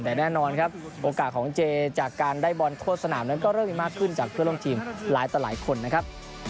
แต่แน่นอนครับโอกาสของเจจากการได้บอลโทษสนามนั้นก็เริ่มมีมากขึ้นจากเพื่อนร่วมทีมหลายต่อหลายคนนะครับ